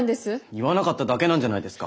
言わなかっただけなんじゃないですか？